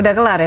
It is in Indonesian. udah kelar ya